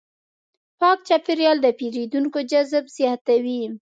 پاک چاپېریال د پیرودونکو جذب زیاتوي.